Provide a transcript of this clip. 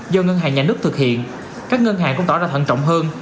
do ngân hàng nhà nước thực hiện các ngân hàng cũng tỏ ra thận trọng hơn